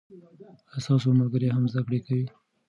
آیا ستا ملګري هم زده کړې کوي؟